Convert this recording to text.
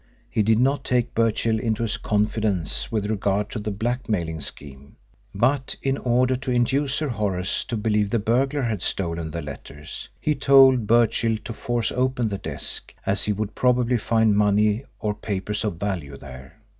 He did not take Birchill into his confidence with regard to the blackmailing scheme, but in order to induce Sir Horace to believe the burglar had stolen the letters he told Birchill to force open the desk, as he would probably find money or papers of value there.